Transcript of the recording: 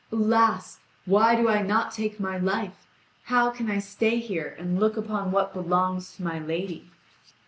Alas! why do I not take my life? How can I stay here and look upon what belongs to my lady?